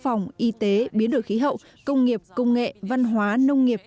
các lĩnh vực quốc phòng y tế biến đổi khí hậu công nghiệp công nghệ văn hóa nông nghiệp